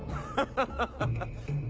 ハハハハ！